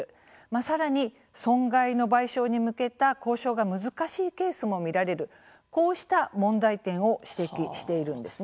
さらに損害の賠償に向けた交渉が難しいケースも見られるこうした問題点を指摘しているんですね。